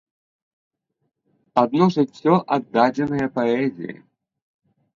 Адно жыццё, аддадзенае паэзіі.